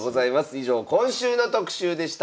以上今週の特集でした。